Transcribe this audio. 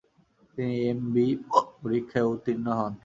তিনি এমবি পরীক্ষায় উত্তীর্ণ হন।